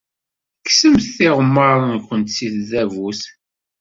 Kksemt tiɣemmar-nwent seg tdabut.